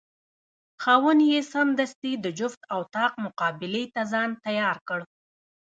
خاوند یې سمدستي د جفت او طاق مقابلې ته ځان تیار کړ.